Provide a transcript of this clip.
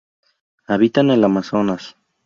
Habita en el Amazonas.